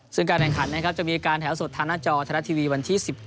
ซึ่งการแข่งขันนะครับจะมีการแถวสดทางหน้าจอไทยรัฐทีวีวันที่๑๗